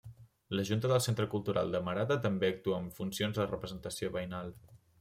La junta del Centre Cultural de Marata també actua amb funcions de representació veïnal.